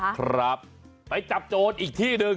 ครับไปจับโจรอีกที่หนึ่ง